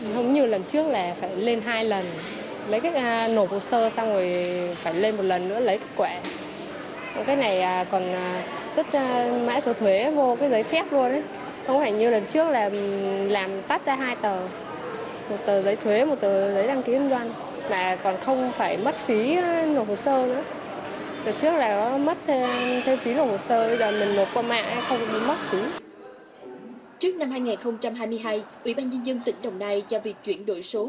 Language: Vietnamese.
trước năm hai nghìn hai mươi hai ủy ban nhân dân tỉnh đồng đai cho việc chuyển đổi số